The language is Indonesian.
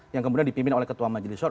yang kemudian dipimpin oleh ketua majelis